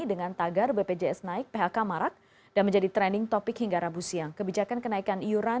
dengan tagar bpjs naik phk marak dan menjadi trending topic hingga rabu siang kebijakan kenaikan iuran